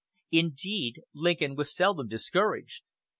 Indeed, Lincoln was seldom discouraged.